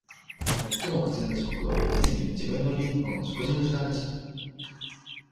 最も苦痛な時刻は、実に、自分の家の食事の時間でした